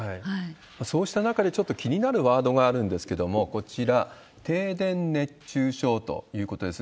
そうした中で、ちょっと気になるワードがあるんですけれども、こちら、停電熱中症ということです。